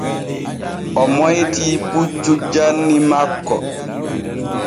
O moytii puccu janni makko.